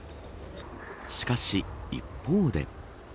しかし、一方で。